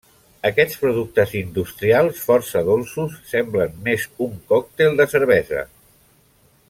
Aquests productes industrials força dolços semblen més un còctel de cervesa.